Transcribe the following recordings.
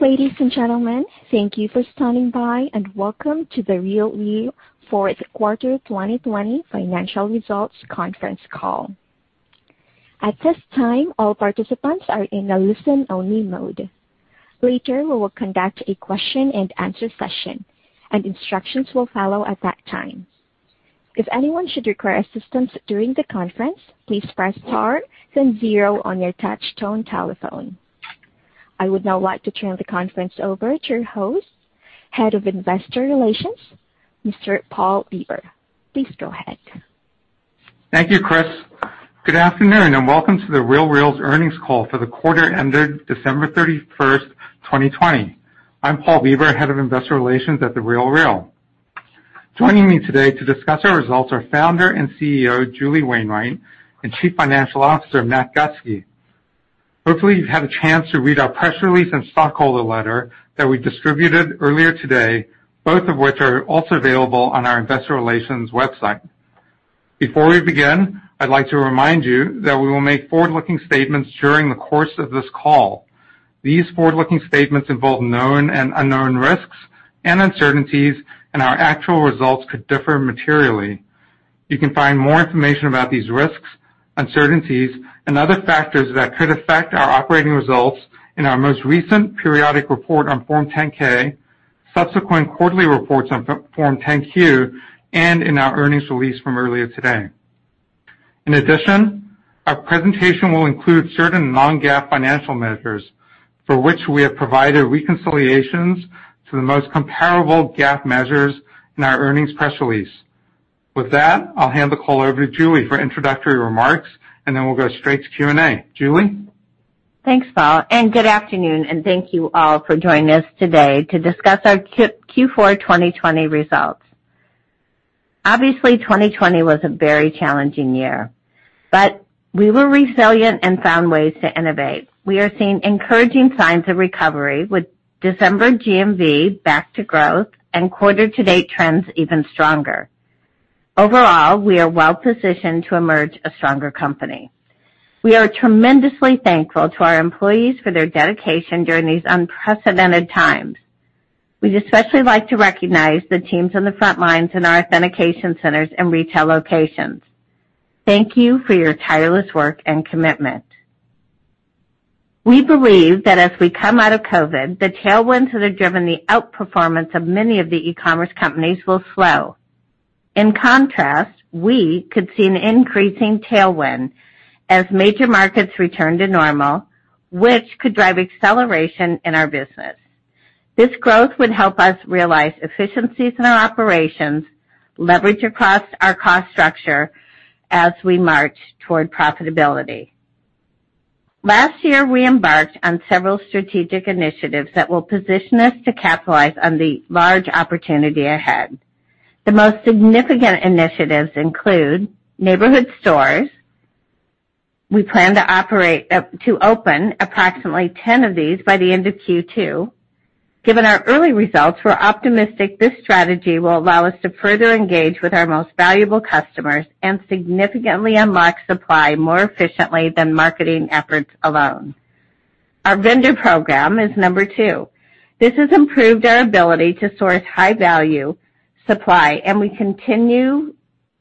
Ladies and gentlemen, thank you for standing by, and welcome to The RealReal fourth quarter 2020 financial results conference call. At this time, all participants are in a listen-only mode. Later, we will conduct a question and answer session, and instructions will follow at that time. If anyone should require assistance during the conference, please press star then zero on your touch tone telephone. I would now like to turn the conference over to your host, Head of Investor Relations, Mr. Paul Bieber. Please go ahead. Thank you, Chris. Good afternoon, and welcome to The RealReal's earnings call for the quarter ended December 31st, 2020. I'm Paul Bieber, Head of Investor Relations at The RealReal. Joining me today to discuss our results are Founder and Chief Executive Officer, Julie Wainwright, and Chief Financial Officer, Matt Gustke. Hopefully, you've had a chance to read our press release and stockholder letter that we distributed earlier today, both of which are also available on our investor relations website. Before we begin, I'd like to remind you that we will make forward-looking statements during the course of this call. These forward-looking statements involve known and unknown risks and uncertainties, and our actual results could differ materially. You can find more information about these risks, uncertainties, and other factors that could affect our operating results in our most recent periodic report on Form 10-K, subsequent quarterly reports on Form 10-Q, and in our earnings release from earlier today. In addition, our presentation will include certain non-GAAP financial measures, for which we have provided reconciliations to the most comparable GAAP measures in our earnings press release. With that, I'll hand the call over to Julie for introductory remarks, and then we'll go straight to Q&A. Julie? Thanks, Paul, good afternoon, and thank you all for joining us today to discuss our Q4 2020 results. Obviously, 2020 was a very challenging year. We were resilient and found ways to innovate. We are seeing encouraging signs of recovery, with December GMV back to growth and quarter to date trends even stronger. Overall, we are well positioned to emerge a stronger company. We are tremendously thankful to our employees for their dedication during these unprecedented times. We'd especially like to recognize the teams on the front lines in our authentication centers and retail locations. Thank you for your tireless work and commitment. We believe that as we come out of COVID, the tailwinds that have driven the outperformance of many of the e-commerce companies will slow. In contrast, we could see an increasing tailwind as major markets return to normal, which could drive acceleration in our business. This growth would help us realize efficiencies in our operations, leverage across our cost structure as we march toward profitability. Last year, we embarked on several strategic initiatives that will position us to capitalize on the large opportunity ahead. The most significant initiatives include neighborhood stores. We plan to open approximately 10 of these by the end of Q2. Given our early results, we're optimistic this strategy will allow us to further engage with our most valuable customers and significantly unlock supply more efficiently than marketing efforts alone. Our vendor program is number two. This has improved our ability to source high-value supply, and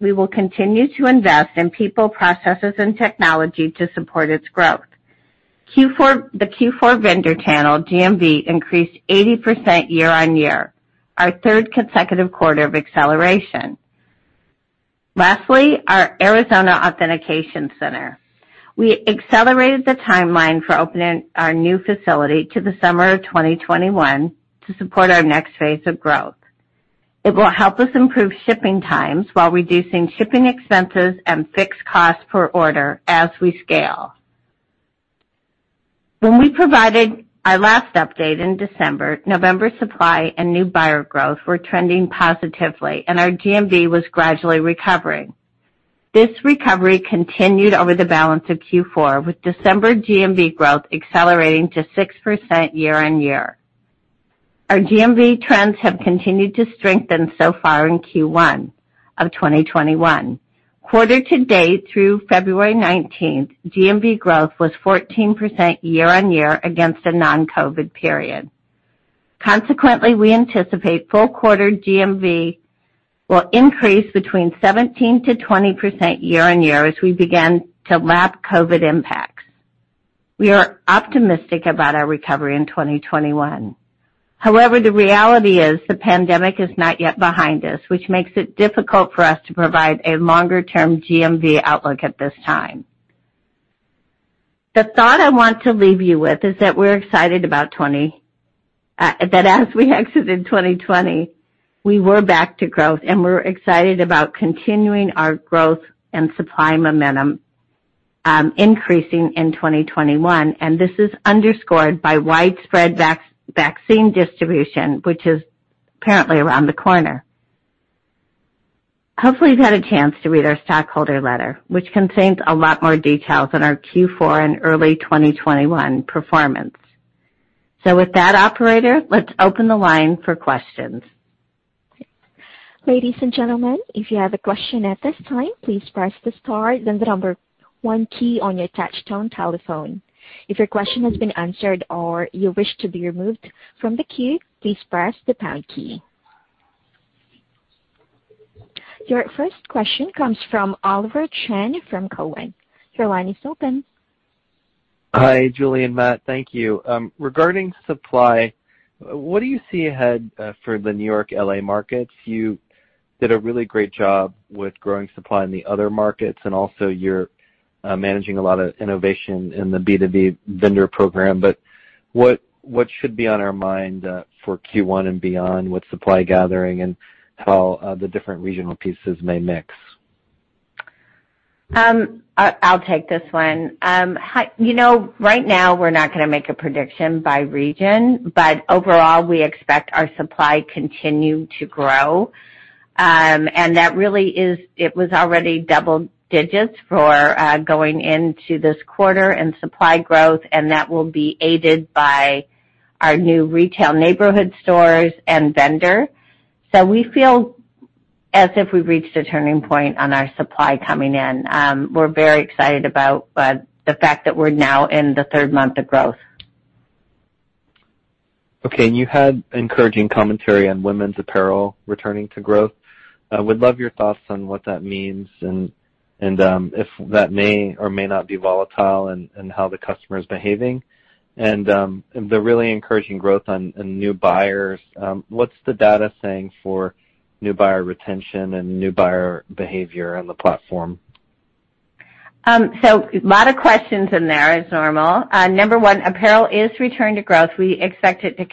we will continue to invest in people, processes, and technology to support its growth. The Q4 vendor channel GMV increased 80% year-on-year, our third consecutive quarter of acceleration. Lastly, our Arizona authentication center. We accelerated the timeline for opening our new facility to the summer of 2021 to support our next phase of growth. It will help us improve shipping times while reducing shipping expenses and fixed costs per order as we scale. When we provided our last update in December, November supply and new buyer growth were trending positively, and our GMV was gradually recovering. This recovery continued over the balance of Q4, with December GMV growth accelerating to 6% year-over-year. Our GMV trends have continued to strengthen so far in Q1 of 2021. Quarter to date through February 19th, GMV growth was 14% year-over-year against a non-COVID period. Consequently, we anticipate full quarter GMV will increase between 17%-20% year-over-year as we begin to lap COVID impacts. We are optimistic about our recovery in 2021. The reality is the pandemic is not yet behind us, which makes it difficult for us to provide a longer-term GMV outlook at this time. The thought I want to leave you with is that as we exited 2020, we were back to growth, we're excited about continuing our growth and supply momentum, increasing in 2021. This is underscored by widespread vaccine distribution, which is apparently around the corner. Hopefully, you've had a chance to read our stockholder letter, which contains a lot more details on our Q4 and early 2021 performance. With that, operator, let's open the line for questions. Ladies and gentlemen, if you have a question at this time, please press the star then the number one key on your touch tone telephone. If your question has been answered or you wish to be removed from the queue, please press the pound key. Your first question comes from Oliver Chen from Cowen. Your line is open. Hi, Julie and Matt. Thank you. Regarding supply, what do you see ahead for the N.Y., L.A. markets? You did a really great job with growing supply in the other markets, and also you're managing a lot of innovation in the B2B vendor program, but what should be on our mind for Q1 and beyond with supply gathering and how the different regional pieces may mix? I'll take this one. Right now, we're not going to make a prediction by region, but overall, we expect our supply continue to grow. It was already double digits for going into this quarter in supply growth, and that will be aided by our new retail neighborhood stores and vendor. We feel as if we've reached a turning point on our supply coming in. We're very excited about the fact that we're now in the third month of growth. Okay. You had encouraging commentary on women's apparel returning to growth. Would love your thoughts on what that means and if that may or may not be volatile and how the customer is behaving. The really encouraging growth on new buyers, what's the data saying for new buyer retention and new buyer behavior on the platform? A lot of questions in there as normal. Number one, apparel is returning to growth. We expect it to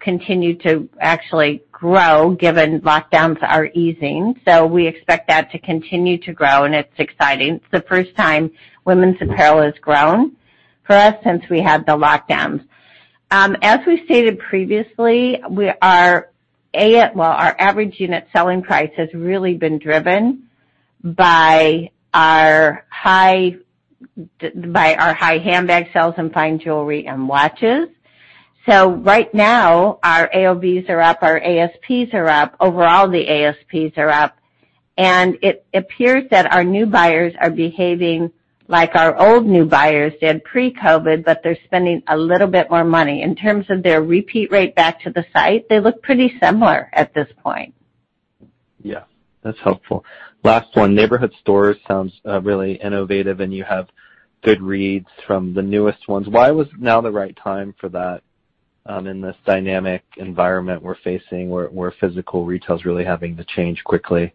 continue to actually grow given lockdowns are easing. We expect that to continue to grow, and it's exciting. It's the first time women's apparel has grown for us since we had the lockdowns. As we stated previously, our average unit selling price has really been driven by our high handbag sales and fine jewelry and watches. Right now, our AOVs are up, our ASPs are up. Overall, the ASPs are up. It appears that our new buyers are behaving like our old new buyers did pre-COVID, but they're spending a little bit more money. In terms of their repeat rate back to the site, they look pretty similar at this point. Yeah, that's helpful. Last one, neighborhood stores sounds really innovative, and you have good reads from the newest ones. Why was now the right time for that in this dynamic environment we're facing, where physical retail is really having to change quickly?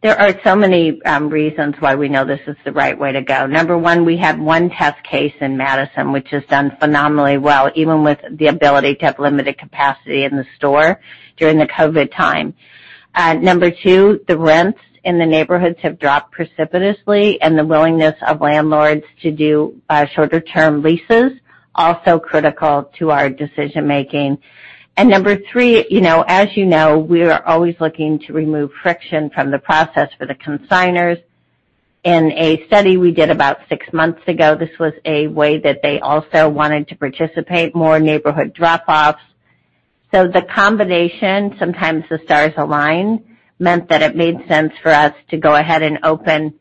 There are so many reasons why we know this is the right way to go. Number one, we have one test case in Madison, which has done phenomenally well, even with the ability to have limited capacity in the store during the COVID time. Number two, the rents in the neighborhoods have dropped precipitously, the willingness of landlords to do shorter term leases, also critical to our decision-making. Number three, as you know, we are always looking to remove friction from the process for the consigners. In a study we did about six months ago, this was a way that they also wanted to participate, more neighborhood drop-offs. The combination, sometimes the stars align, meant that it made sense for us to go ahead and open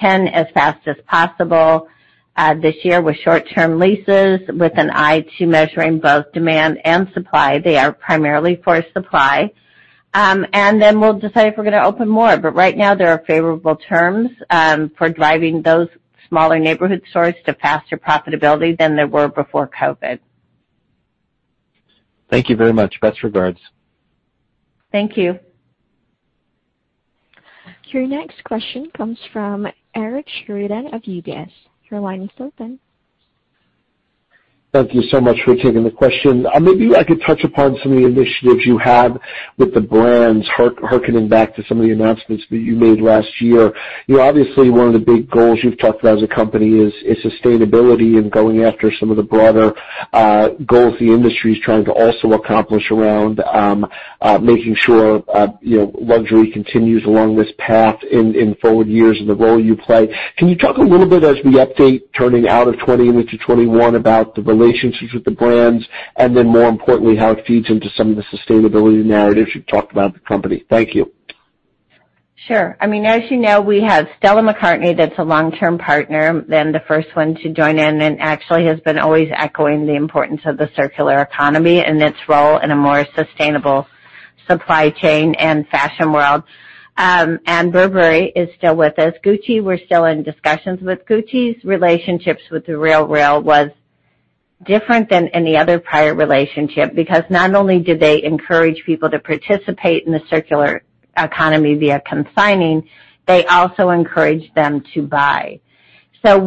10 as fast as possible this year with short-term leases, with an eye to measuring both demand and supply. They are primarily for supply. Then we'll decide if we're going to open more. Right now, there are favorable terms for driving those smaller neighborhood stores to faster profitability than there were before COVID. Thank you very much. Best regards. Thank you. Your next question comes from Eric Sheridan of UBS. Your line is open. Thank you so much for taking the question. Maybe I could touch upon some of the initiatives you have with the brands, hearkening back to some of the announcements that you made last year. Obviously, one of the big goals you've talked about as a company is sustainability and going after some of the broader goals the industry is trying to also accomplish around making sure luxury continues along this path in forward years and the role you play. Can you talk a little bit as we update, turning out of 2020 into 2021, about the relationships with the brands, and then more importantly, how it feeds into some of the sustainability narratives you've talked about at the company? Thank you. Sure. As you know, we have Stella McCartney, that's a long-term partner, then the first one to join in, actually has been always echoing the importance of the circular economy and its role in a more sustainable supply chain and fashion world. Burberry is still with us. Gucci, we're still in discussions with Gucci. Relationships with The RealReal was different than any other prior relationship, because not only did they encourage people to participate in the circular economy via consigning, they also encouraged them to buy. Stella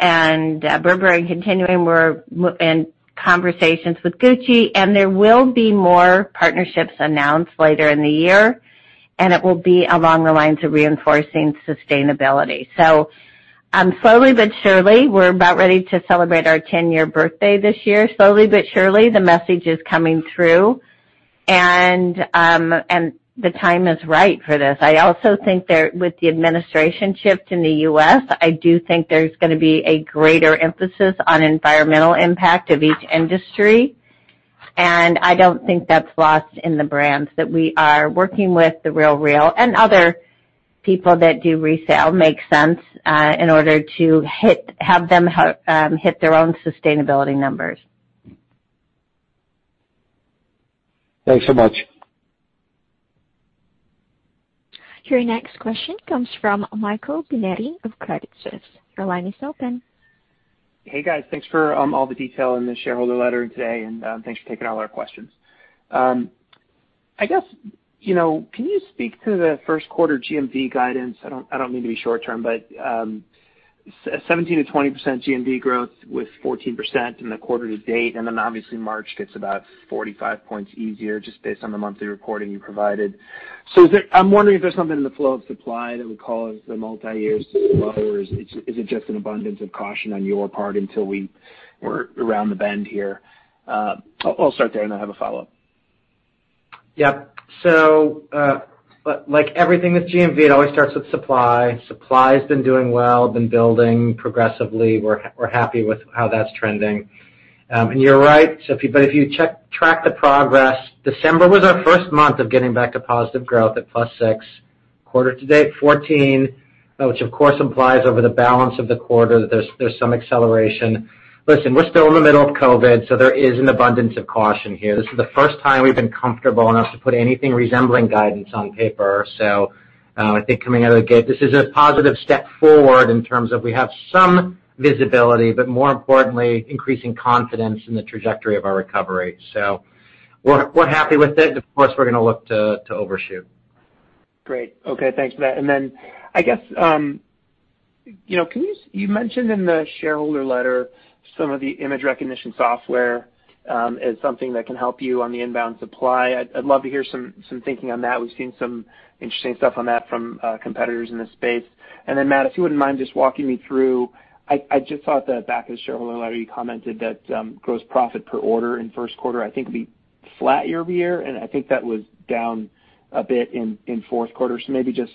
and Burberry continuing, we're in conversations with Gucci, and there will be more partnerships announced later in the year, and it will be along the lines of reinforcing sustainability. Slowly but surely, we're about ready to celebrate our 10-year birthday this year. Slowly but surely, the message is coming through. The time is right for this. I also think that with the administration shift in the U.S., I do think there's going to be a greater emphasis on environmental impact of each industry, and I don't think that's lost in the brands that we are working with, The RealReal, and other people that do resale. Makes sense, in order to have them hit their own sustainability numbers. Thanks so much. Your next question comes from Michael Binetti of Credit Suisse. Your line is open. Hey, guys. Thanks for all the detail in the shareholder letter today, and thanks for taking all our questions. I guess, can you speak to the first quarter GMV guidance? I don't mean to be short-term, 17%-20% GMV growth with 14% in the quarter to date, and then obviously March gets about 45 points easier, just based on the monthly reporting you provided. I'm wondering if there's something in the flow of supply that would cause the multi-year to slow, or is it just an abundance of caution on your part until we're around the bend here? I'll start there, and I have a follow-up. Yep. Like everything with GMV, it always starts with supply. Supply's been doing well, been building progressively. We're happy with how that's trending. You're right, but if you track the progress, December was our first month of getting back to positive growth at +6. Quarter to date, 14, which of course implies over the balance of the quarter that there's some acceleration. Listen, we're still in the middle of COVID, so there is an abundance of caution here. This is the first time we've been comfortable enough to put anything resembling guidance on paper. I think coming out of the gate, this is a positive step forward in terms of we have some visibility, but more importantly, increasing confidence in the trajectory of our recovery. We're happy with it. Of course, we're going to look to overshoot. Great. Okay. Thanks for that. Then I guess, you mentioned in the shareholder letter some of the image recognition software, as something that can help you on the inbound supply. I'd love to hear some thinking on that. We've seen some interesting stuff on that from competitors in this space. Then, Matt, if you wouldn't mind just walking me through, I just saw at the back of the shareholder letter, you commented that gross profit per order in the first quarter, I think would be flat year-over-year, and I think that was down a bit in fourth quarter. Maybe just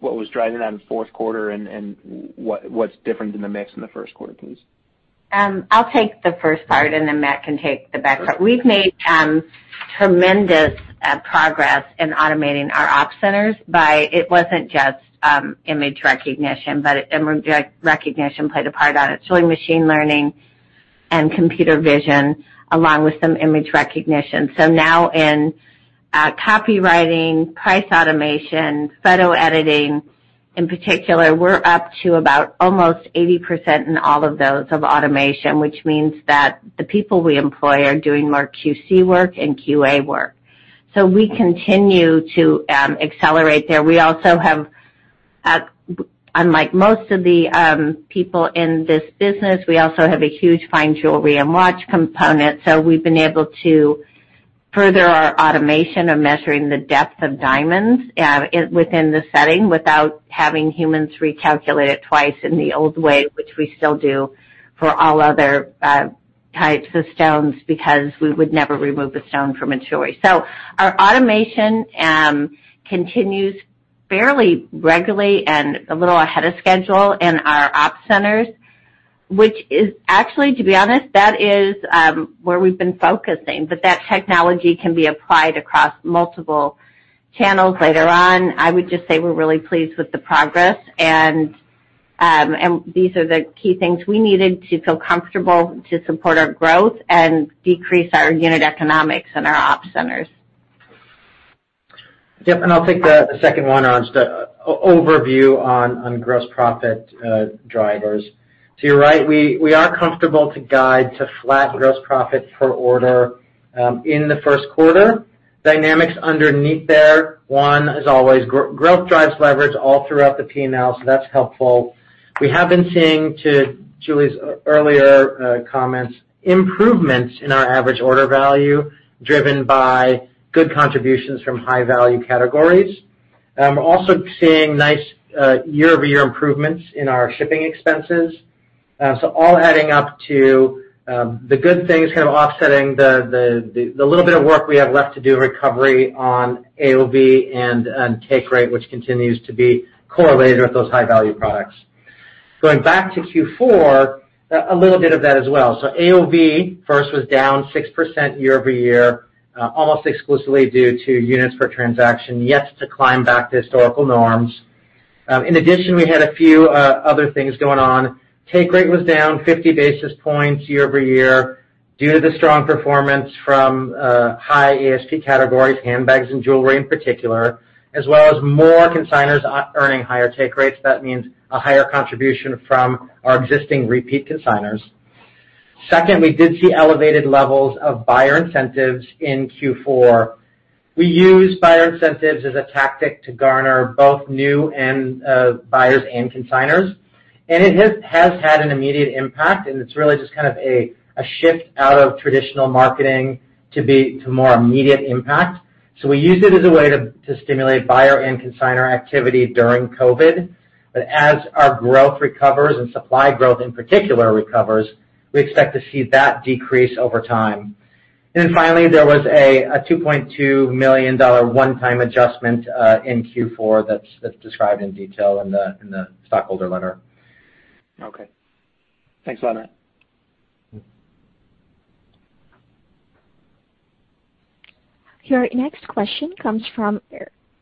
what was driving that in the fourth quarter and what's different in the mix in the first quarter, please? I'll take the first part, then Matt can take the back part. We've made tremendous progress in automating our op centers by, it wasn't just image recognition, image recognition played a part on it. It's really machine learning and computer vision, along with some image recognition. Now in copywriting, price automation, photo editing in particular, we're up to about almost 80% in all of those of automation, which means that the people we employ are doing more QC work and QA work. We continue to accelerate there. Unlike most of the people in this business, we also have a huge fine jewelry and watch component, so we've been able to further our automation of measuring the depth of diamonds within the setting without having humans recalculate it twice in the old way, which we still do for all other types of stones, because we would never remove the stone from its jewelry. So our automation continues fairly regularly and a little ahead of schedule in our op centers, which is actually, to be honest, that is where we've been focusing. But that technology can be applied across multiple channels later on. I would just say we're really pleased with the progress, and these are the key things we needed to feel comfortable to support our growth and decrease our unit economics in our op centers. Yep. I'll take the second one on just overview on gross profit drivers. You're right, we are comfortable to guide to flat gross profit per order in the first quarter. Dynamics underneath there, one, as always, growth drives leverage all throughout the P&L, so that's helpful. We have been seeing, to Julie's earlier comments, improvements in our average order value, driven by good contributions from high-value categories. We're also seeing nice year-over-year improvements in our shipping expenses. All adding up to the good things kind of offsetting the little bit of work we have left to do in recovery on AOV and take rate, which continues to be correlated with those high-value products. Going back to Q4, a little bit of that as well. AOV first was down 6% year-over-year, almost exclusively due to units per transaction, yet to climb back to historical norms. In addition, we had a few other things going on. Take rate was down 50 basis points year-over-year due to the strong performance from high ASP categories, handbags and jewelry in particular, as well as more consignors earning higher take rates. That means a higher contribution from our existing repeat consignors. Second, we did see elevated levels of buyer incentives in Q4. We use buyer incentives as a tactic to garner both new buyers and consignors. It has had an immediate impact, and it's really just kind of a shift out of traditional marketing to more immediate impact. We used it as a way to stimulate buyer and consignor activity during COVID. As our growth recovers, and supply growth in particular recovers, we expect to see that decrease over time. Finally, there was a $2.2 million one-time adjustment in Q4 that's described in detail in the stockholder letter. Okay. Thanks a lot, Matt. Your next question comes from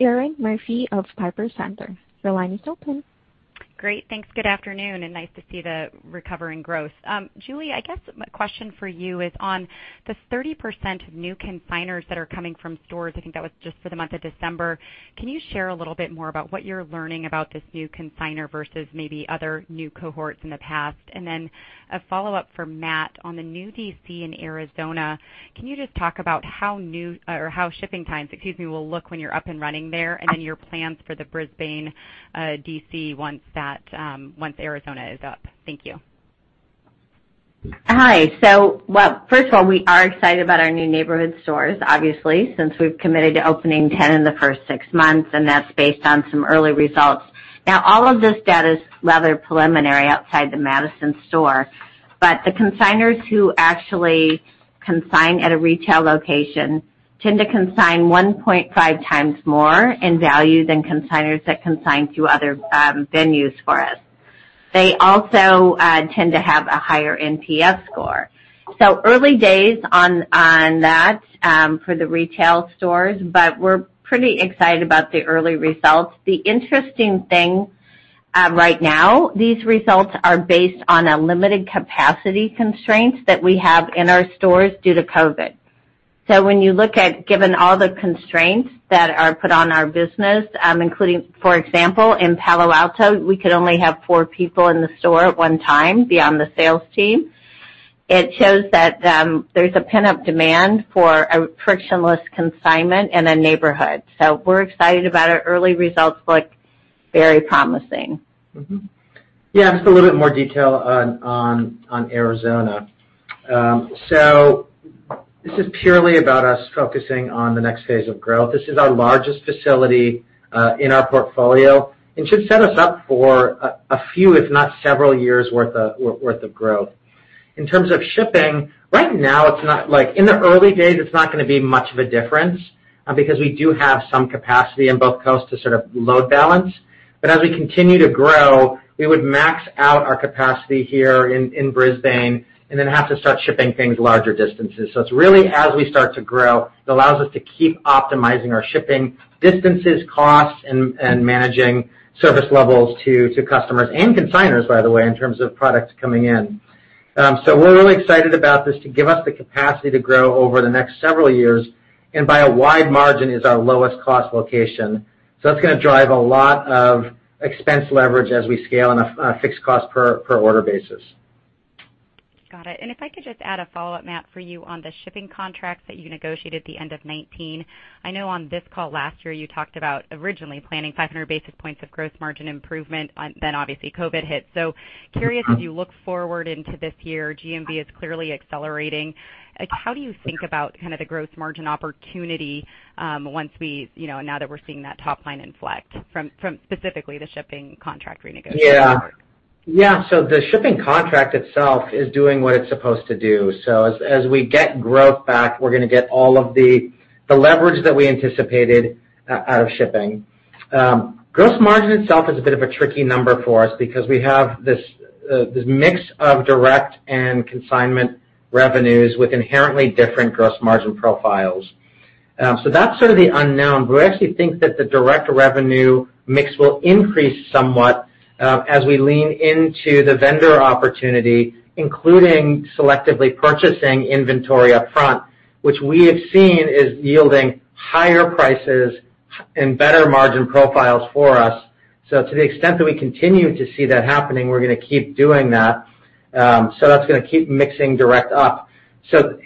Erinn Murphy of Piper Sandler. Your line is open. Great. Thanks. Good afternoon, and nice to see the recovering growth. Julie, I guess my question for you is on the 30% of new consignors that are coming from stores, I think that was just for the month of December. Can you share a little bit more about what you're learning about this new consignor versus maybe other new cohorts in the past? A follow-up for Matt on the new DC in Arizona. Can you just talk about how shipping times, excuse me, will look when you're up and running there, and then your plans for the Brisbane DC once Arizona is up? Thank you. Hi. Well, first of all, we are excited about our new neighborhood stores, obviously, since we've committed to opening 10 in the first six months, and that's based on some early results. Now, all of this data is rather preliminary outside the Madison store, but the consignors who actually consign at a retail location tend to consign 1.5x more in value than consignors that consign through other venues for us. They also tend to have a higher NPS score. Early days on that for the retail stores, but we're pretty excited about the early results. The interesting thing right now, these results are based on a limited capacity constraint that we have in our stores due to COVID. When you look at, given all the constraints that are put on our business, including, for example, in Palo Alto, we could only have four people in the store at one time beyond the sales team. It shows that there's a pent-up demand for a frictionless consignment in a neighborhood. We're excited about it. Early results look very promising. Yeah, just a little bit more detail on Arizona. This is purely about us focusing on the next phase of growth. This is our largest facility in our portfolio and should set us up for a few, if not several years' worth of growth. In terms of shipping, right now, in the early days, it's not going to be much of a difference, because we do have some capacity in both coasts to sort of load balance. As we continue to grow, we would max out our capacity here in Brisbane and then have to start shipping things larger distances. It's really as we start to grow, it allows us to keep optimizing our shipping distances, costs, and managing service levels to customers, and consignors, by the way, in terms of products coming in. We're really excited about this to give us the capacity to grow over the next several years. By a wide margin is our lowest cost location. That's going to drive a lot of expense leverage as we scale on a fixed cost per order basis. Got it. If I could just add a follow-up, Matt, for you on the shipping contracts that you negotiated at the end of 2019. I know on this call last year, you talked about originally planning 500 basis points of gross margin improvement, then obviously COVID hit. Curious, as you look forward into this year, GMV is clearly accelerating. How do you think about kind of the gross margin opportunity now that we're seeing that top line inflect from specifically the shipping contract renegotiation? Yeah. The shipping contract itself is doing what it's supposed to do. As we get growth back, we're going to get all of the leverage that we anticipated out of shipping. Gross margin itself is a bit of a tricky number for us because we have this mix of direct and consignment revenues with inherently different gross margin profiles. That's sort of the unknown, but we actually think that the direct revenue mix will increase somewhat as we lean into the vendor opportunity, including selectively purchasing inventory up front, which we have seen is yielding higher prices and better margin profiles for us. To the extent that we continue to see that happening, we're going to keep doing that. That's going to keep mixing direct up.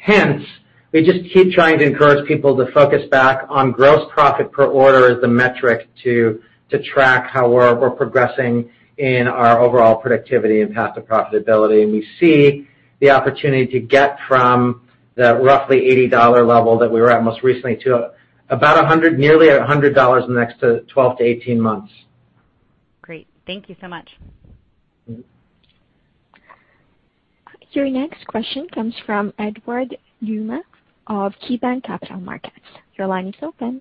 Hence, we just keep trying to encourage people to focus back on gross profit per order as the metric to track how well we're progressing in our overall productivity and path to profitability. We see the opportunity to get from the roughly $80 level that we were at most recently to nearly $100 in the next 12 to 18 months. Great. Thank you so much. Your next question comes from Edward Yruma of KeyBanc Capital Markets. Your line is open.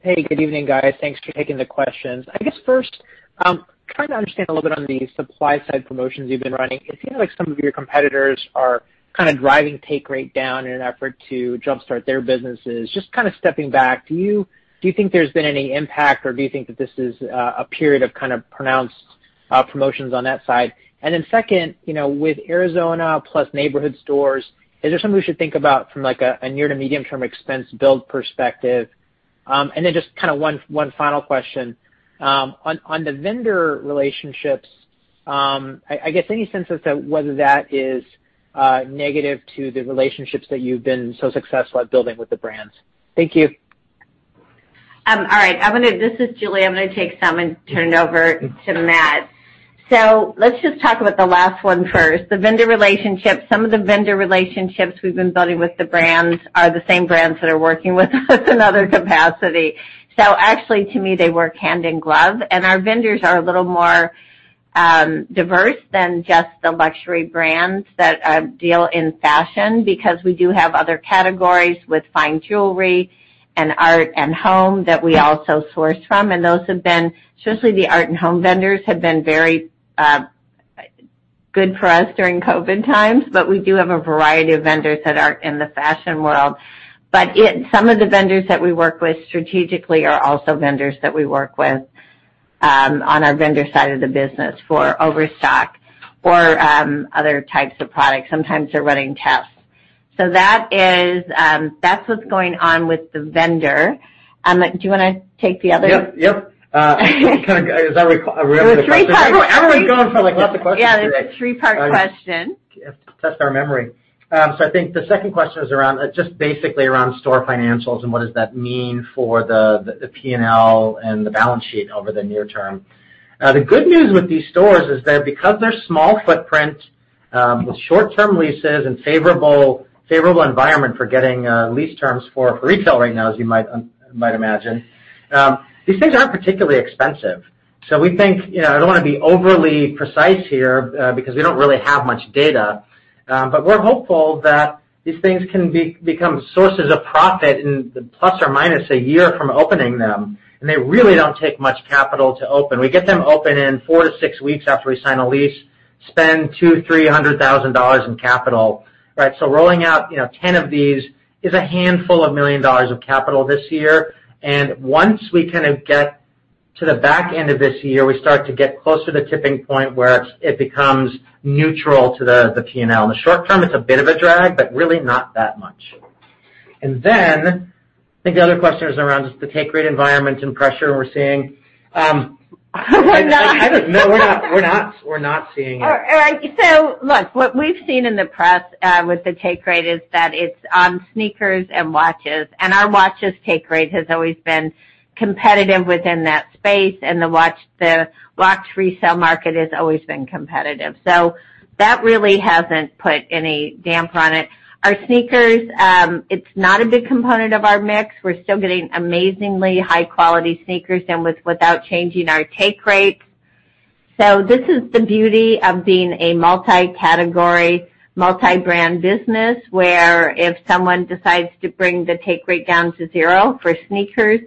Hey, good evening, guys. Thanks for taking the questions. I guess first, trying to understand a little bit on the supply side promotions you've been running. It seems like some of your competitors are kind of driving take rate down in an effort to jumpstart their businesses. Just kind of stepping back, do you think there's been any impact, or do you think that this is a period of kind of pronounced promotions on that side? Then second, with Arizona plus neighborhood stores, is there something we should think about from, like a near to medium-term expense build perspective? Then just kind of one final question. On the vendor relationships, I guess any sense as to whether that is negative to the relationships that you've been so successful at building with the brands? Thank you. All right. This is Julie. I'm going to take some and turn it over to Matt. Let's just talk about the last one first, the vendor relationships. Some of the vendor relationships we've been building with the brands are the same brands that are working with us in other capacity. Actually, to me, they work hand in glove, and our vendors are a little more diverse than just the luxury brands that deal in fashion, because we do have other categories with fine jewelry and art and home that we also source from. Those have been, especially the art and home vendors, have been very good for us during COVID times. We do have a variety of vendors that are in the fashion world. Some of the vendors that we work with strategically are also vendors that we work with on our vendor side of the business for overstock or other types of products. Sometimes they're running tests. That's what's going on with the vendor. Do you want to take the other? Yep. It was a three-part question. going for lots of questions today. Yeah, it was a three-part question. You have to test our memory. I think the second question is just basically around store financials and what does that mean for the P&L and the balance sheet over the near term. The good news with these stores is that because they're small footprint with short-term leases and favorable environment for getting lease terms for retail right now, as you might imagine, these things aren't particularly expensive. We think, I don't want to be overly precise here, because we don't really have much data. We're hopeful that these things can become sources of profit in the ±1 year from opening them, and they really don't take much capital to open. We get them open in four to six weeks after we sign a lease, spend $200,000-$300,000 in capital. Rolling out 10 of these is a handful of million dollars of capital this year. Once we get to the back end of this year, we start to get closer to tipping point where it becomes neutral to the P&L. In the short term, it's a bit of a drag, but really not that much. I think the other question is around just the take rate environment and pressure we're seeing. No. No, we're not seeing it. All right. Look, what we've seen in the press with the take rate is that it's on sneakers and watches, and our watches take rate has always been competitive within that space, and the watch resale market has always been competitive. That really hasn't put any damper on it. Our sneakers, it's not a big component of our mix. We're still getting amazingly high-quality sneakers and without changing our take rates. This is the beauty of being a multi-category, multi-brand business, where if someone decides to bring the take rate down to zero for sneakers,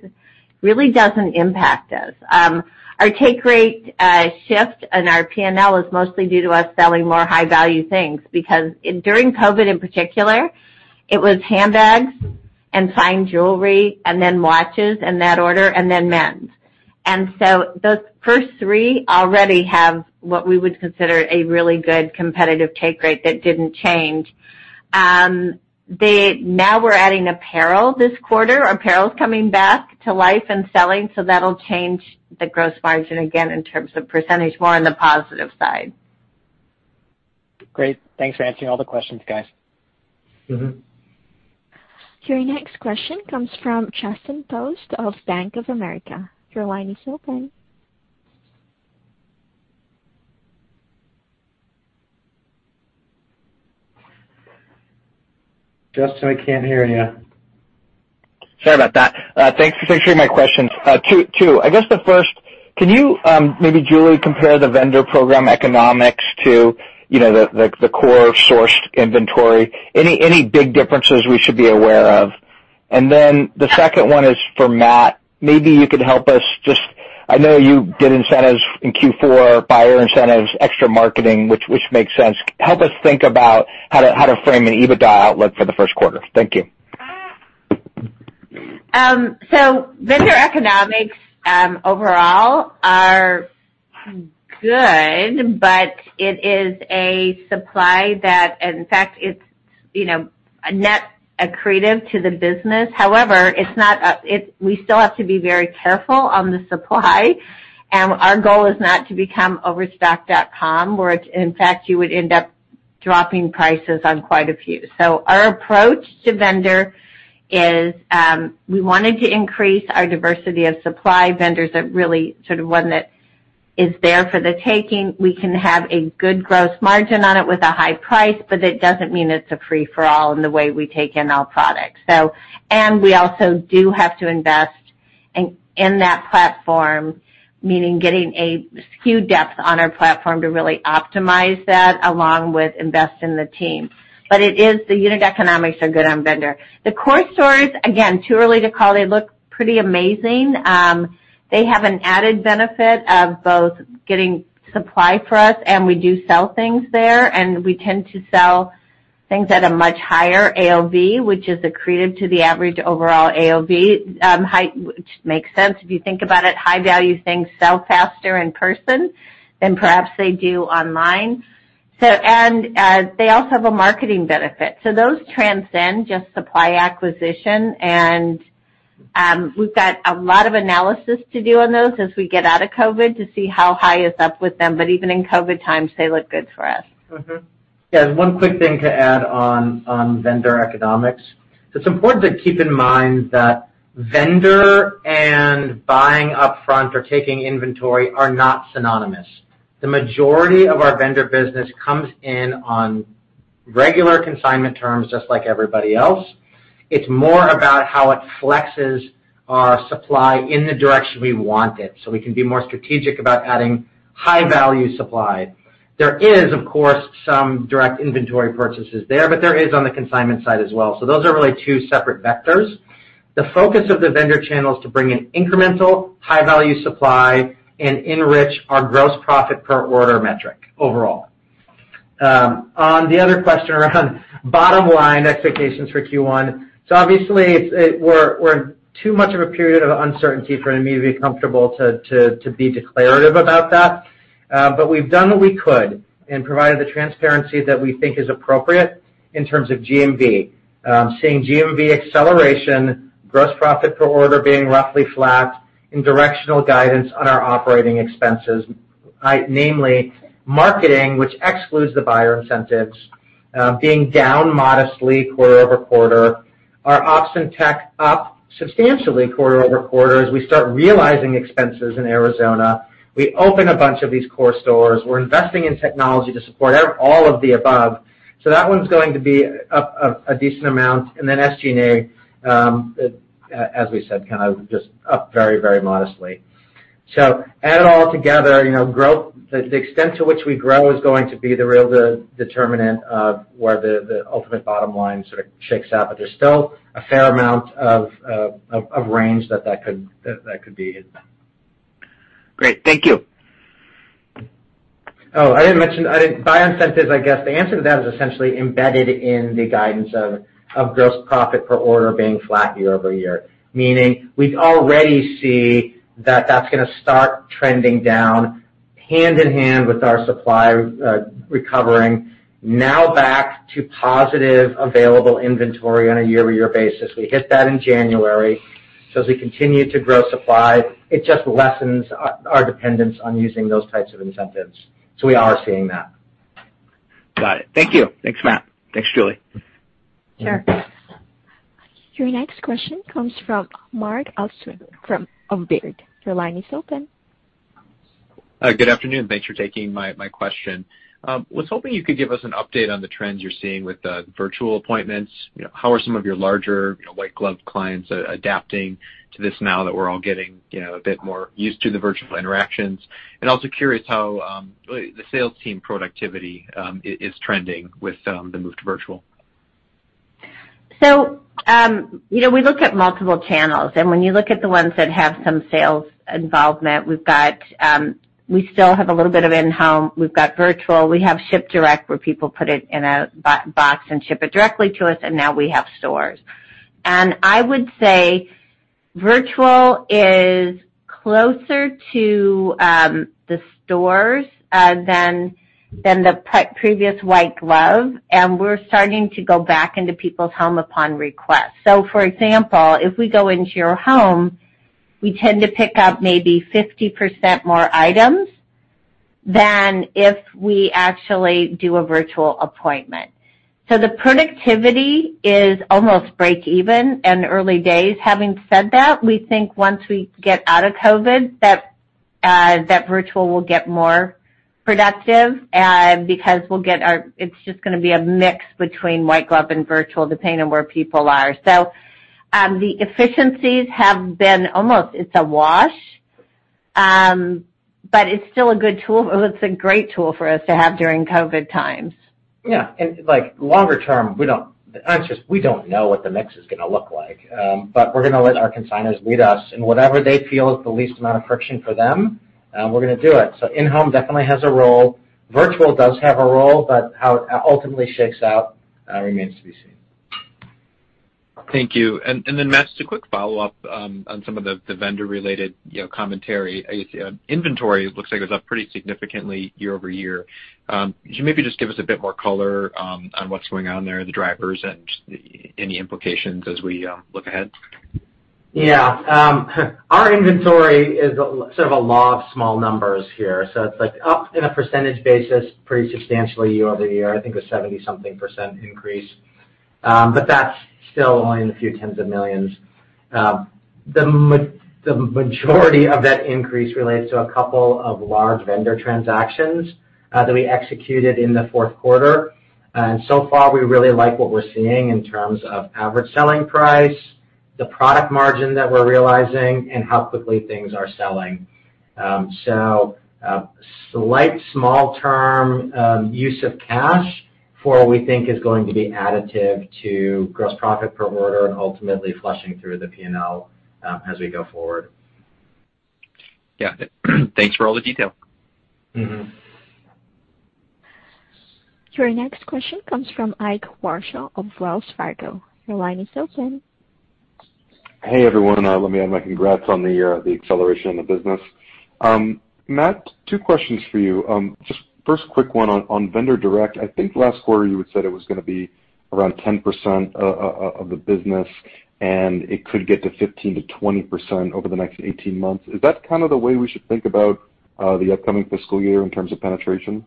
really doesn't impact us. Our take rate shift and our P&L is mostly due to us selling more high-value things, because during COVID, in particular, it was handbags and fine jewelry and then watches in that order, and then men's. Those first three already have what we would consider a really good competitive take rate that didn't change. We're adding apparel this quarter. Apparel's coming back to life and selling. That'll change the gross margin again in terms of percentage, more on the positive side. Great. Thanks for answering all the questions, guys. Your next question comes from Justin Post of Bank of America. Your line is open. Justin, I can't hear you. Sorry about that. Thanks for taking my questions. Two. I guess the first, can you, maybe Julie, compare the vendor program economics to the core sourced inventory? Any big differences we should be aware of? The second one is for Matt. Maybe you could help us just, I know you did incentives in Q4, buyer incentives, extra marketing, which makes sense. Help us think about how to frame an EBITDA outlook for the first quarter. Thank you. Vendor economics overall are good, but it is a supply that, in fact, it's net accretive to the business. However, we still have to be very careful on the supply. Our goal is not to become Overstock.com, where it's in fact, you would end up dropping prices on quite a few. Our approach to vendor is, we wanted to increase our diversity of supply vendors that really sort of one that is there for the taking. We can have a good gross margin on it with a high price, it doesn't mean it's a free-for-all in the way we take in our products. We also do have to invest in that platform, meaning getting a SKU depth on our platform to really optimize that along with invest in the team. The unit economics are good on vendor. The core stores, again, too early to call. They look pretty amazing. They have an added benefit of both getting supply for us, and we do sell things there, and we tend to sell things at a much higher AOV, which is accretive to the average overall AOV. Which makes sense if you think about it. High-value things sell faster in person than perhaps they do online. They also have a marketing benefit. Those transcend just supply acquisition, and we've got a lot of analysis to do on those as we get out of COVID to see how high is up with them. Even in COVID times, they look good for us. Yeah. One quick thing to add on vendor economics. It's important to keep in mind that vendor and buying upfront or taking inventory are not synonymous. The majority of our vendor business comes in on regular consignment terms just like everybody else. It's more about how it flexes our supply in the direction we want it, so we can be more strategic about adding high-value supply. There is, of course, some direct inventory purchases there, but there is on the consignment side as well. Those are really two separate vectors. The focus of the vendor channel is to bring in incremental high-value supply and enrich our gross profit per order metric overall. On the other question around bottom line expectations for Q1, so obviously, we're in too much of a period of uncertainty for me to be comfortable to be declarative about that. We've done what we could and provided the transparency that we think is appropriate in terms of GMV. Seeing GMV acceleration, gross profit per order being roughly flat, and directional guidance on our operating expenses, namely marketing, which excludes the buyer incentives, being down modestly quarter-over-quarter. Our ops and tech up substantially quarter-over-quarter as we start realizing expenses in Arizona. We open a bunch of these core stores. We're investing in technology to support all of the above. That one's going to be up a decent amount. SG&A, as we said, kind of just up very modestly. Add it all together, the extent to which we grow is going to be the real determinant of where the ultimate bottom line sort of shakes out. There's still a fair amount of range that could be hit. Great. Thank you. I didn't mention, buy incentives, I guess, the answer to that is essentially embedded in the guidance of gross profit per order being flat year-over-year, meaning we already see that that's going to start trending down hand in hand with our supply recovering now back to positive available inventory on a year-over-year basis. We hit that in January. As we continue to grow supply, it just lessens our dependence on using those types of incentives. We are seeing that. Got it. Thank you. Thanks, Matt. Thanks, Julie. Sure. Your next question comes from Mark Altschwager from Baird. Your line is open. Good afternoon. Thanks for taking my question. Was hoping you could give us an update on the trends you're seeing with the virtual appointments. How are some of your larger white glove clients adapting to this now that we're all getting a bit more used to the virtual interactions? Also curious how the sales team productivity is trending with the move to virtual. We look at multiple channels, and when you look at the ones that have some sales involvement, we still have a little bit of in-home. We've got virtual, we have ship direct, where people put it in a box and ship it directly to us, and now we have stores. I would say virtual is closer to the stores than the previous white glove, and we're starting to go back into people's home upon request. For example, if we go into your home, we tend to pick up maybe 50% more items than if we actually do a virtual appointment. The productivity is almost break even in early days. Having said that, we think once we get out of COVID, that virtual will get more productive because it's just going to be a mix between white glove and virtual, depending on where people are. The efficiencies have been almost, it's a wash, but it's still a good tool. It's a great tool for us to have during COVID times. Yeah. Longer term, we don't know what the mix is going to look like, but we're going to let our consignors lead us in whatever they feel is the least amount of friction for them, and we're going to do it. In-home definitely has a role. Virtual does have a role, but how it ultimately shakes out remains to be seen. Thank you. Matt, just a quick follow-up on some of the vendor-related commentary. Inventory looks like it was up pretty significantly year-over-year. Could you maybe just give us a bit more color on what's going on there, the drivers, and any implications as we look ahead? Yeah. Our inventory is sort of a law of small numbers here, so it's up in a percentage basis pretty substantially year-over-year. I think a 70% increase. That's still only in the few tens of millions. The majority of that increase relates to a couple of large vendor transactions that we executed in the fourth quarter. So far, we really like what we're seeing in terms of average selling price, the product margin that we're realizing, and how quickly things are selling. A slight small term use of cash for what we think is going to be additive to gross profit per order and ultimately flushing through the P&L as we go forward. Yeah. Thanks for all the detail. Your next question comes from Ike Boruchow of Wells Fargo. Your line is open. Hey, everyone. Let me add my congrats on the acceleration of the business. Matt, two questions for you. Just first quick one on vendor direct. I think last quarter you had said it was going to be around 10% of the business, and it could get to 15%-20% over the next 18 months. Is that kind of the way we should think about the upcoming fiscal year in terms of penetration?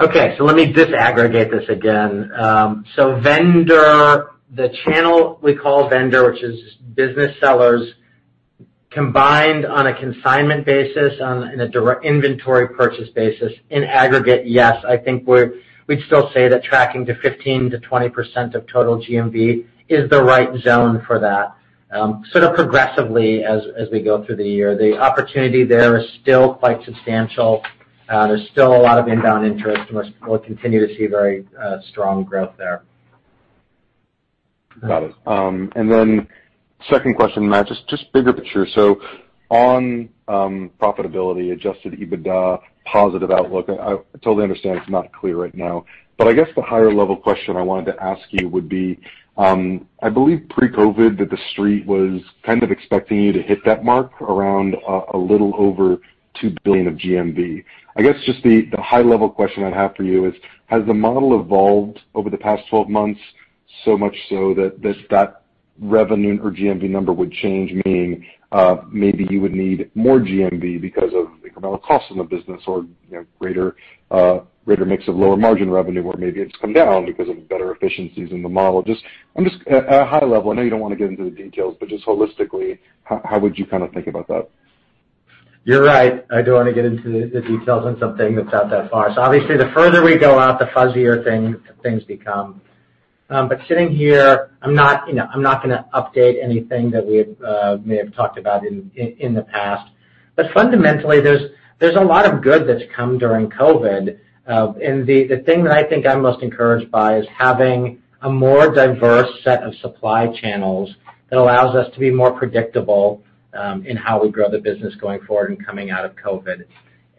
Okay, let me disaggregate this again. Vendor, the channel we call vendor, which is business sellers, combined on a consignment basis, in a direct inventory purchase basis, in aggregate, yes, I think we'd still say that tracking to 15%-20% of total GMV is the right zone for that. Sort of progressively as we go through the year. The opportunity there is still quite substantial. There's still a lot of inbound interest, and we'll continue to see very strong growth there. Got it. Then second question, Matt, just bigger picture. On profitability, adjusted EBITDA, positive outlook, I totally understand it's not clear right now, but I guess the higher level question I wanted to ask you would be, I believe pre-COVID, that the Street was kind of expecting you to hit that mark around a little over $2 billion of GMV. I guess just the high level question I'd have for you is, has the model evolved over the past 12 months, so much so that that revenue or GMV number would change, meaning maybe you would need more GMV because of the incremental cost in the business or greater mix of lower margin revenue? Maybe it's come down because of better efficiencies in the model. Just at a high level, I know you don't want to get into the details, but just holistically, how would you kind of think about that? You're right. I don't want to get into the details on something that's out that far. Obviously the further we go out, the fuzzier things become. Sitting here, I'm not going to update anything that we may have talked about in the past. Fundamentally, there's a lot of good that's come during COVID. The thing that I think I'm most encouraged by is having a more diverse set of supply channels that allows us to be more predictable, in how we grow the business going forward and coming out of COVID,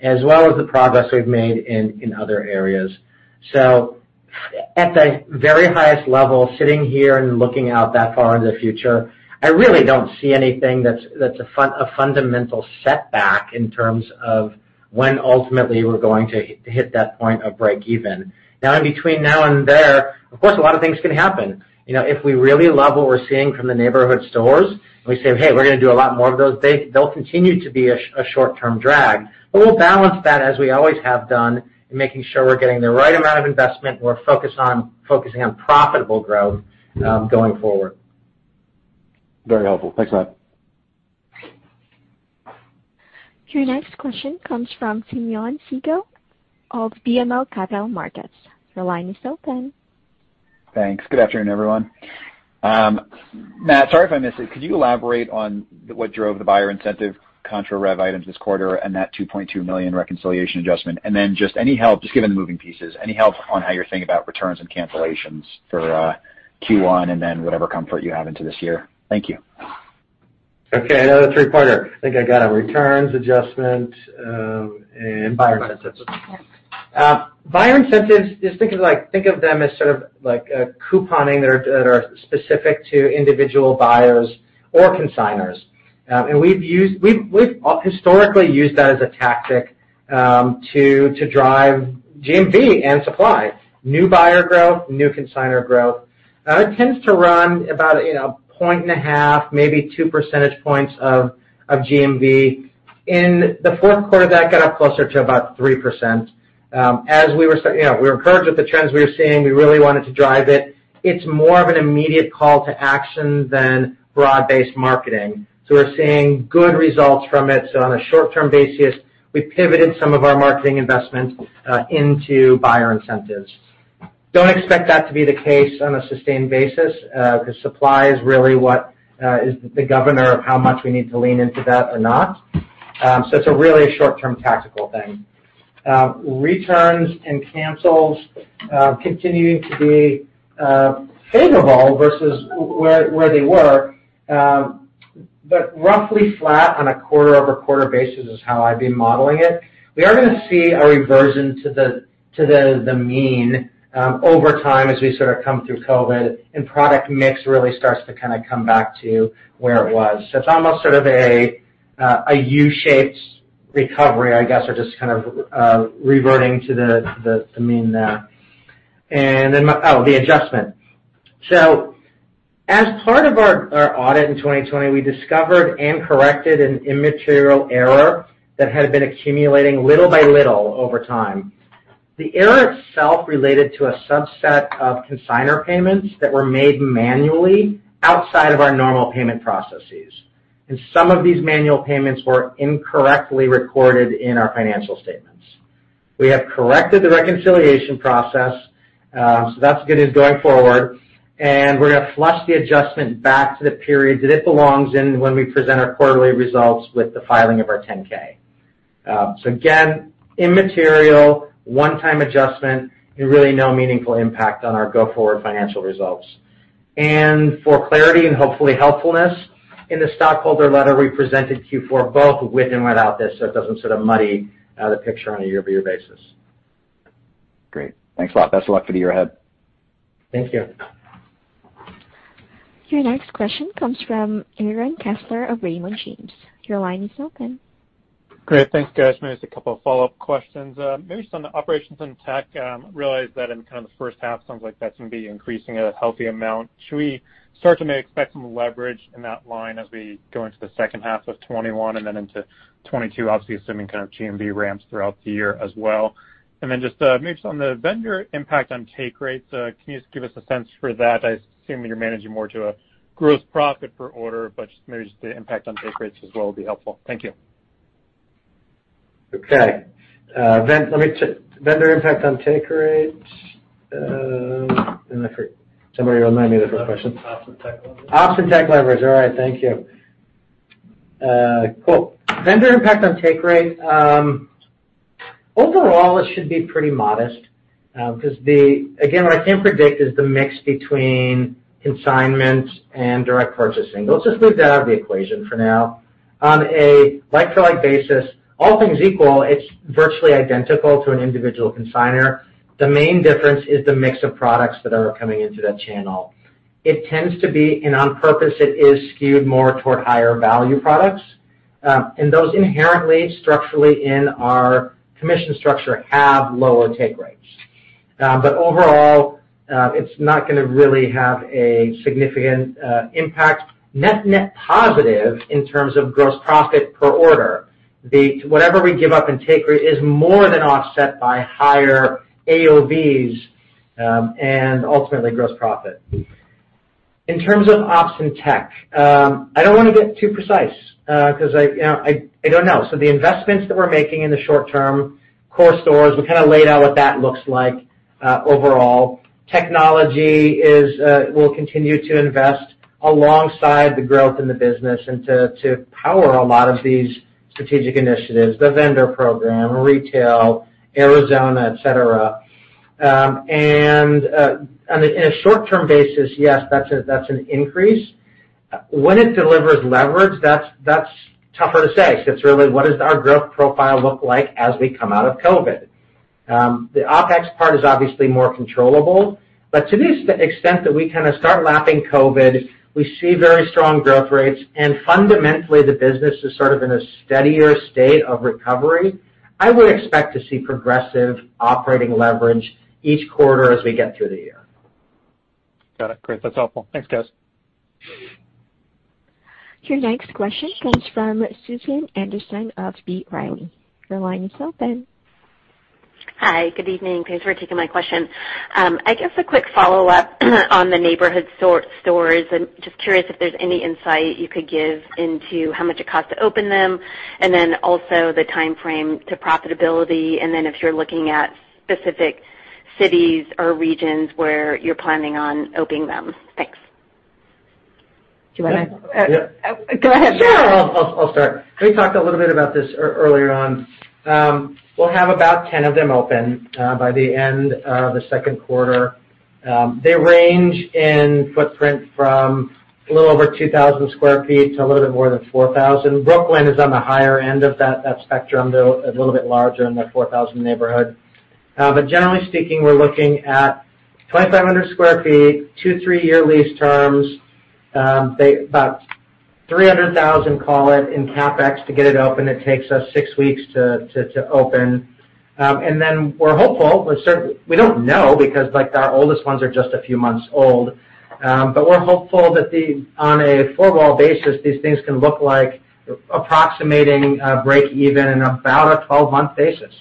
as well as the progress we've made in other areas. At the very highest level, sitting here and looking out that far in the future, I really don't see anything that's a fundamental setback in terms of when ultimately we're going to hit that point of break even. Now, in between now and there, of course, a lot of things can happen. If we really love what we're seeing from the neighborhood stores and we say, "Hey, we're going to do a lot more of those," they'll continue to be a short-term drag. We'll balance that, as we always have done, in making sure we're getting the right amount of investment, and we're focusing on profitable growth going forward. Very helpful. Thanks, Matt. Your next question comes from Simeon Siegel of BMO Capital Markets. Your line is open. Thanks. Good afternoon, everyone. Matt, sorry if I missed it, could you elaborate on what drove the buyer incentive contra rev items this quarter and that $2.2 million reconciliation adjustment? Then just any help, just given the moving pieces, any help on how you're thinking about returns and cancellations for Q1 and then whatever comfort you have into this year? Thank you. Okay, another three parter. I think I got it. Returns, adjustment, and buyer incentives. Yes. Buyer incentives, just think of them as sort of couponing that are specific to individual buyers or consignors. We've historically used that as a tactic to drive GMV and supply, new buyer growth, new consignor growth. It tends to run about a point and a half, maybe 2 percentage points of GMV. In the fourth quarter, that got up closer to about 3%. We were encouraged with the trends we were seeing. We really wanted to drive it. It's more of an immediate call to action than broad-based marketing. We're seeing good results from it. On a short-term basis, we pivoted some of our marketing investments into buyer incentives. Don't expect that to be the case on a sustained basis, because supply is really what is the governor of how much we need to lean into that or not. It's a really short-term tactical thing. Returns and cancels continuing to be favorable versus where they were. Roughly flat on a quarter-over-quarter basis is how I'd be modeling it. We are going to see a reversion to the mean, over time, as we sort of come through COVID, and product mix really starts to kind of come back to where it was. It's almost sort of a U-shaped recovery, I guess, or just kind of reverting to the mean there. Oh, the adjustment. As part of our audit in 2020, we discovered and corrected an immaterial error that had been accumulating little by little over time. The error itself related to a subset of consignor payments that were made manually outside of our normal payment processes, and some of these manual payments were incorrectly recorded in our financial statements. We have corrected the reconciliation process, so that's good news going forward, and we're going to flush the adjustment back to the periods that it belongs in when we present our quarterly results with the filing of our 10-K. Again, immaterial one-time adjustment and really no meaningful impact on our go-forward financial results. For clarity and hopefully helpfulness, in the stockholder letter, we presented Q4 both with and without this, so it doesn't sort of muddy the picture on a year-over-year basis. Great. Thanks a lot. Best of luck for the year ahead. Thank you. Your next question comes from Aaron Kessler of Raymond James. Your line is open. Great. Thanks, guys. Maybe just a couple of follow-up questions. Maybe just on the operations and tech, realize that in the first half, sounds like that's going to be increasing at a healthy amount. Should we start to maybe expect some leverage in that line as we go into the second half of 2021 and then into 2022, obviously assuming GMV ramps throughout the year as well? Then just maybe on the vendor impact on take rates, can you just give us a sense for that? I assume you're managing more to a gross profit per order, but just maybe just the impact on take rates as well would be helpful. Thank you. Okay. Vendor impact on take rate. Somebody remind me of the first question. Ops and tech leverage. Ops and tech leverage. All right, thank you, vendor impact on take rate. Overall, it should be pretty modest, because again, what I can predict is the mix between consignment and direct purchasing. Let's just leave that out of the equation for now. On a like-for-like basis, all things equal, it's virtually identical to an individual consignor. The main difference is the mix of products that are coming into that channel. It tends to be, on purpose, it is skewed more toward higher value products. Those inherently, structurally in our commission structure, have lower take rates. Overall, it's not going to really have a significant impact. Net positive in terms of gross profit per order. Whatever we give up in take rate is more than offset by higher AOVs, and ultimately gross profit. In terms of ops and tech, I don't want to get too precise, because I don't know. The investments that we're making in the short term, core stores, we kind of laid out what that looks like overall. Technology, we'll continue to invest alongside the growth in the business and to power a lot of these strategic initiatives, the vendor program, retail, Arizona, et cetera. On a short-term basis, yes, that's an increase. When it delivers leverage, that's tougher to say, because it's really what does our growth profile look like as we come out of COVID? The OpEx part is obviously more controllable, but to the extent that we kind of start lapping COVID, we see very strong growth rates, and fundamentally the business is sort of in a steadier state of recovery. I would expect to see progressive operating leverage each quarter as we get through the year. Got it. Great. That's helpful. Thanks, guys. Your next question comes from Susan Anderson of B. Riley. Your line is open. Hi, good evening. Thanks for taking my question. I guess a quick follow-up on the neighborhood stores. Just curious if there's any insight you could give into how much it costs to open them. Also, the timeframe to profitability. If you're looking at specific cities or regions where you're planning on opening them. Thanks. Do you want to- Yeah. Go ahead, Sure. I'll start. We talked a little bit about this earlier on. We'll have about 10 of them open by the end of the second quarter. They range in footprint from a little over 2,000 square feet to a little bit more than 4,000. Brooklyn is on the higher end of that spectrum, though, a little bit larger in the 4,000 neighborhood. Generally speaking, we're looking at 2,500 sq ft, two, three-year lease terms. About $300,000, call it, in CapEx to get it open. It takes us six weeks to open. We're hopeful, we don't know because our oldest ones are just a few months old, but we're hopeful that on a forward basis, these things can look like approximating a break even in about a 12-month basis.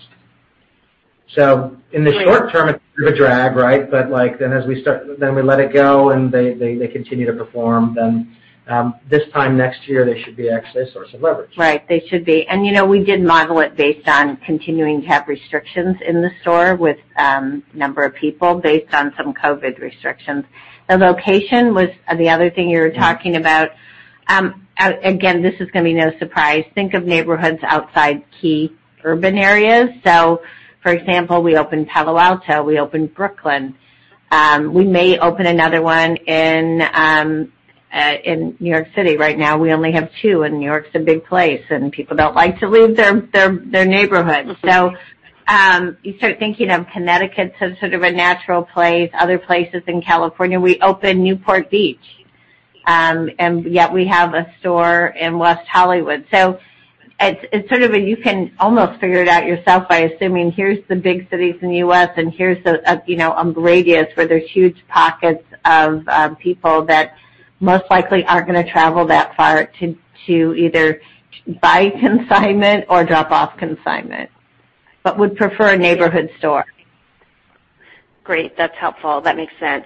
In the short term, it's sort of a drag, right? We let it go, and they continue to perform, then this time next year, they should be actually a source of leverage. Right. They should be. We did model it based on continuing to have restrictions in the store with number of people based on some COVID restrictions. The location was the other thing you were talking about. Again, this is going to be no surprise. Think of neighborhoods outside key urban areas. For example, we opened Palo Alto, we opened Brooklyn. We may open another one in New York City. Right now, we only have two, and New York's a big place, and people don't like to leave their neighborhood. You start thinking of Connecticut as sort of a natural place. Other places in California. We opened Newport Beach, and yet we have a store in West Hollywood. It's sort of a you can almost figure it out yourself by assuming here's the big cities in the U.S., and here's a radius where there's huge pockets of people that most likely aren't going to travel that far to either buy consignment or drop off consignment, but would prefer a neighborhood store. Great. That's helpful. That makes sense.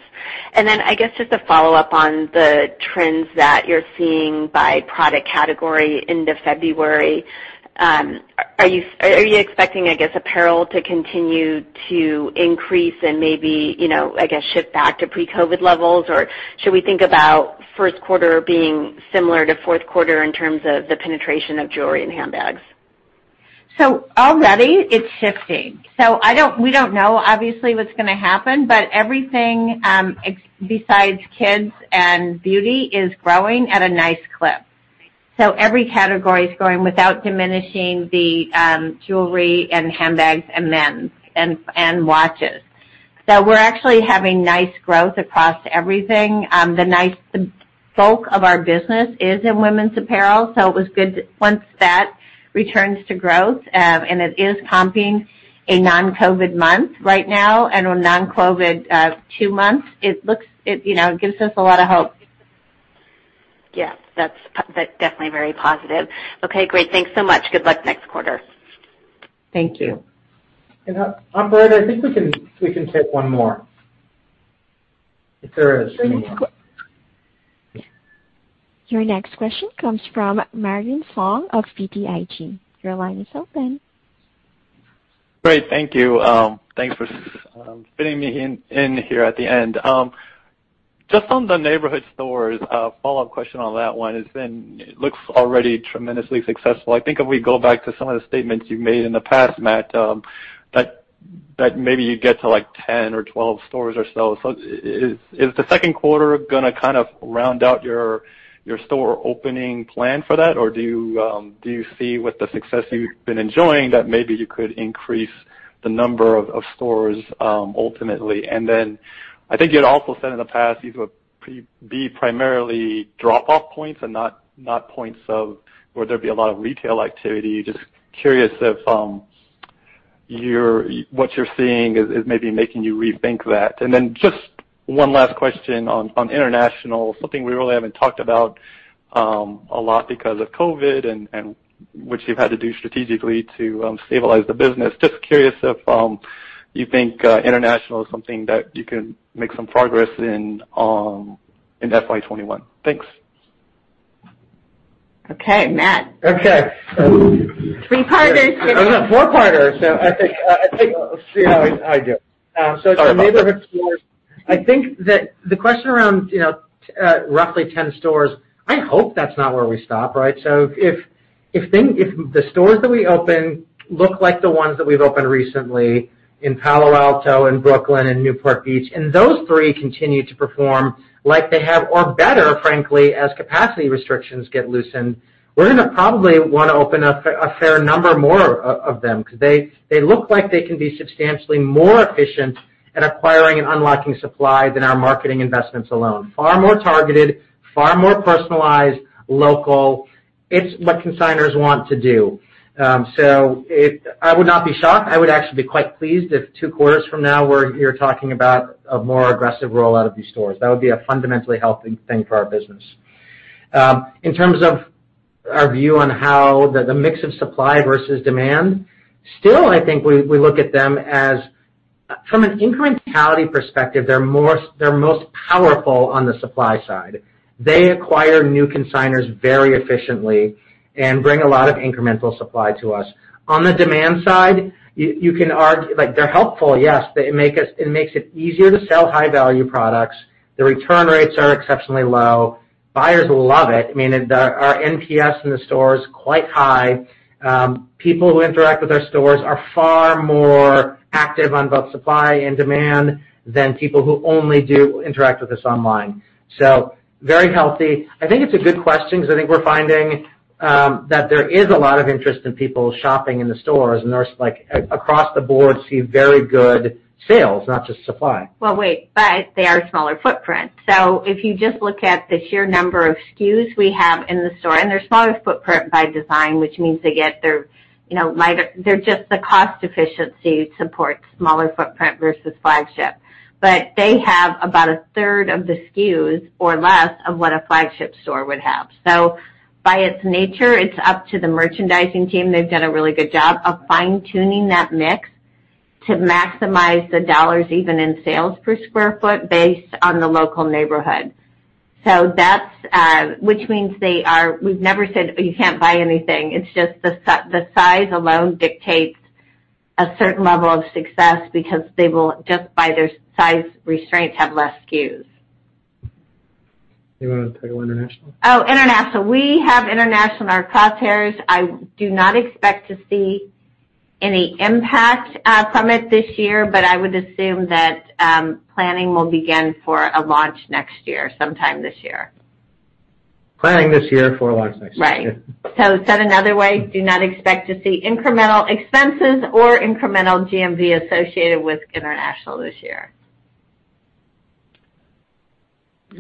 I guess just a follow-up on the trends that you're seeing by product category end of February. Are you expecting, I guess, apparel to continue to increase and maybe, I guess, shift back to pre-COVID levels? Should we think about first quarter being similar to fourth quarter in terms of the penetration of jewelry and handbags? Already it's shifting. We don't know, obviously, what's going to happen, but everything besides kids and beauty is growing at a nice clip. Every category is growing without diminishing the jewelry and handbags and men's and watches. We're actually having nice growth across everything. The bulk of our business is in women's apparel, it was good once that returns to growth, and it is comping a non-COVID month right now, and a non-COVID two months. It gives us a lot of hope. Yeah. That's definitely very positive. Okay, great. Thanks so much. Good luck next quarter. Thank you. Operator, I think we can take one more. If there is any more. Your next question comes from Marvin Fong of BTIG. Your line is open. Great. Thank you. Thanks for fitting me in here at the end. Just on the neighborhood stores, a follow-up question on that one, it looks already tremendously successful. I think if we go back to some of the statements you've made in the past, Matt, that maybe you'd get to 10 or 12 stores or so. Is the second quarter going to kind of round out your store opening plan for that? Do you see with the success you've been enjoying, that maybe you could increase the number of stores, ultimately? I think you'd also said in the past, these would be primarily drop-off points and not points of where there'd be a lot of retail activity. Just curious if what you're seeing is maybe making you rethink that. Just one last question on international, something we really haven't talked about a lot because of COVID, and what you've had to do strategically to stabilize the business. Just curious if you think international is something that you can make some progress in FY 2021. Thanks. Okay, Matt. Okay. Three parts. Oh, no, four parters. I think Let's see how I do. Sorry about that. The neighborhood stores, I think that the question around roughly 10 stores, I hope that's not where we stop, right? If the stores that we open look like the ones that we've opened recently in Palo Alto, in Brooklyn, in Newport Beach, and those three continue to perform like they have, or better, frankly, as capacity restrictions get loosened, we're going to probably want to open up a fair number more of them, because they look like they can be substantially more efficient at acquiring and unlocking supply than our marketing investments alone. Far more targeted, far more personalized, local. It's what consignors want to do. I would not be shocked, I would actually be quite pleased if two quarters from now, we're talking about a more aggressive rollout of these stores. That would be a fundamentally healthy thing for our business. In terms of our view on how the mix of supply versus demand, still, I think we look at them as, from an incrementality perspective, they're most powerful on the supply side. They acquire new consignors very efficiently and bring a lot of incremental supply to us. On the demand side, you can argue, they're helpful, yes. It makes it easier to sell high-value products. The return rates are exceptionally low. Buyers love it. I mean, our NPS in the store is quite high. People who interact with our stores are far more active on both supply and demand than people who only do interact with us online. Very healthy. I think it's a good question, because I think we're finding that there is a lot of interest in people shopping in the stores, and there's across the board, see very good sales, not just supply. Wait, but they are smaller footprint. If you just look at the sheer number of SKUs we have in the store, and they're smaller footprint by design, which means Just the cost efficiency supports smaller footprint versus flagship. They have about a third of the SKUs or less of what a flagship store would have. By its nature, it's up to the merchandising team. They've done a really good job of fine-tuning that mix to maximize the dollars, even in sales per square foot, based on the local neighborhood. They are. We've never said you can't buy anything. It's just the size alone dictates a certain level of success because they will, just by their size restraints, have less SKUs. You want to take international? We have international in our crosshairs. I do not expect to see any impact from it this year, but I would assume that planning will begin for a launch next year, sometime this year. Planning this year for a launch next year. Right said another way, do not expect to see incremental expenses or incremental GMV associated with international this year.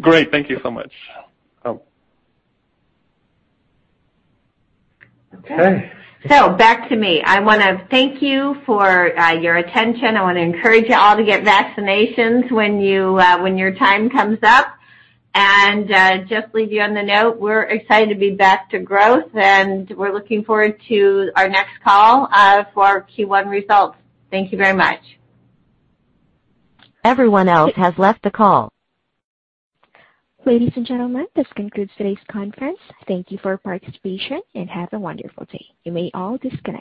Great. Thank you so much. Okay. Okay. Back to me. I want to thank you for your attention. I want to encourage you all to get vaccinations when your time comes up, and just leave you on the note, we're excited to be back to growth, and we're looking forward to our next call for our Q1 results. Thank you very much. Ladies and gentlemen, this concludes today's conference. Thank you for participation, and have a wonderful day. You may all disconnect.